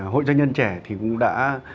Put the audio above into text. hội doanh nhân trẻ thì cũng đã